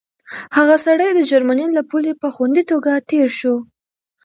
هغه سړی د جرمني له پولې په خوندي توګه تېر شو.